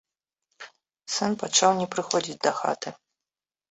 Сын пачаў не прыходзіць дахаты.